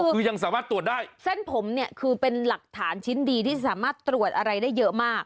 คือยังสามารถตรวจได้เส้นผมเนี่ยคือเป็นหลักฐานชิ้นดีที่สามารถตรวจอะไรได้เยอะมาก